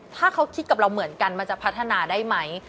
ถ้าเขาคิดกับเราเหมือนกันมันจะพัฒนาได้ไหม